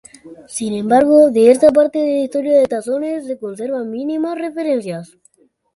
Sin embargo, de esta parte de la historia de Tazones se conservan mínimas referencias.